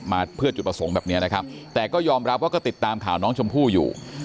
มาเพื่อจุดประสงค์แบบนี้นะครับแต่ก็ยอมรับว่าก็ติดตามข่าวน้องชมพู่อยู่